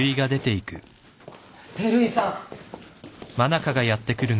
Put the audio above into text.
照井さん。